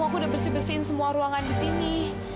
aku udah bersih bersihin semua ruangan disini